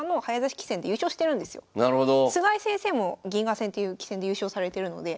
菅井先生も銀河戦という棋戦で優勝されてるので。